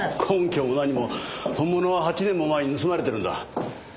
根拠も何も本物は８年も前に盗まれてるんだ。